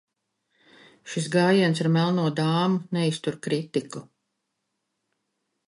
Šis gājiens ar melno dāmu neiztur kritiku.